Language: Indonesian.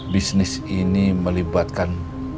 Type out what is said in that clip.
bisnis ini melibatkan